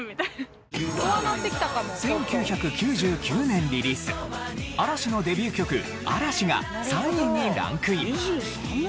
１９９９年リリース嵐のデビュー曲『Ａ・ＲＡ・ＳＨＩ』が３位にランクイン。